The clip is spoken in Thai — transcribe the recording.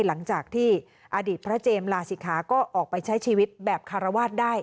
หลังจากที่อดีตพระเจมส์ลาศิกขาก็ออกไปใช้ชีวิตแบบคารวาสได้